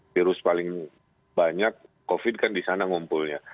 virus paling banyak covid kan di sana ngumpulnya